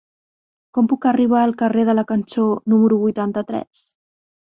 Com puc arribar al carrer de la Cançó número vuitanta-tres?